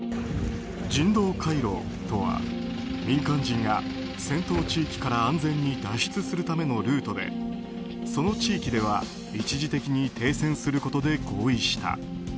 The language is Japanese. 人道回廊とは民間人が戦闘地域から安全に脱出するためのルートでその地域では一時的に停戦することで合意した。